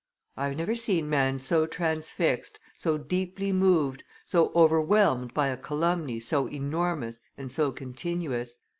I have never seen man so transfixed, so deeply moved, so overwhelmed by a calumny so enormous and so continuous.